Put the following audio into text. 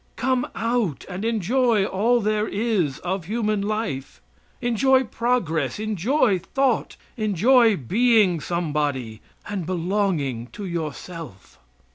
Come out and enjoy all there is of human life; enjoy progress, enjoy thought, enjoy being somebody and belonging to yourself."